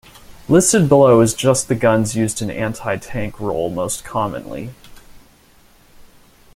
Listed below is just the guns used in anti-tank role most commonly.